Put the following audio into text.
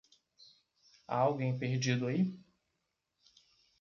Há alguém perdido aí?